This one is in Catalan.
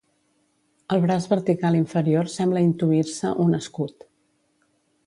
Al braç vertical inferior sembla intuir-se un escut.